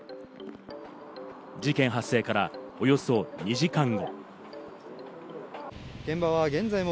事件発生からおよそ２時間後。